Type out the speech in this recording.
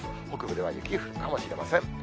北部では雪降るかもしれません。